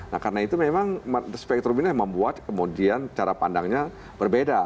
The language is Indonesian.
nah karena itu memang spektrum ini yang membuat kemudian cara pandangnya berbeda